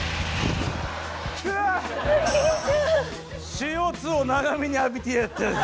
ＣＯ２を長めに浴びてやったぜ。